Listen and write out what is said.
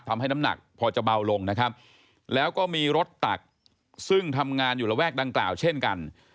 ทำให้น้ำหนักพอจะเบาลงนะครับแล้วก็มีรถตักซึ่งทำงานอยู่ระแวกดังกล่าวเช่นกัน